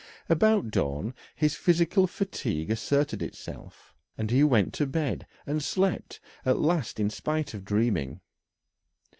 About dawn, his physical fatigue asserted itself, and he went to bed and slept at last in spite of dreaming.